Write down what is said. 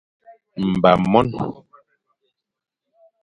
Mba mon.